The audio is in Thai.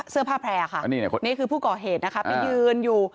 เสื้อผ้าแพร่ค่ะอันนี้ไหนนี่คือผู้เกาะเหตุนะคะไปยืนอยู่